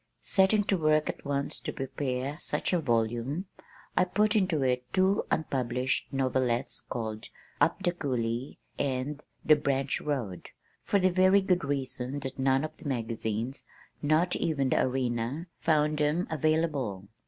Setting to work at once to prepare such a volume I put into it two unpublished novelettes called Up the Cooley and The Branch Road, for the very good reason that none of the magazines, not even The Arena, found them "available."